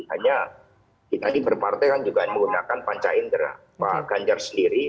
hanya kita di berpartai kan juga menggunakan panca indera pak ganjar sendiri